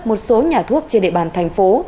một số nhà thuốc trên địa bàn thành phố